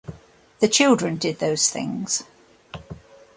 The children did those things.